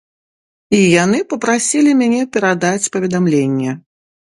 І яны папрасілі мяне перадаць паведамленне.